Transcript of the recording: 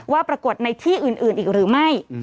ว่าปรากฏในที่อื่นอีกหรือไม่